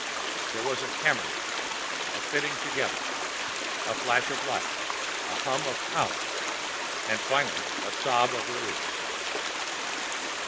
There was a hammering, a fitting together, a flash of light, a humming of power and finally a sob of relief.